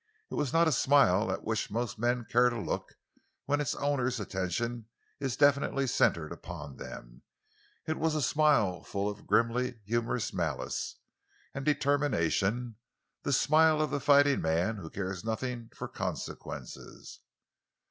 It was not a smile at which most men care to look when its owner's attention is definitely centered upon them; it was a smile full of grimly humorous malice and determination; the smile of the fighting man who cares nothing for consequences.